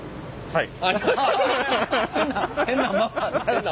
はい。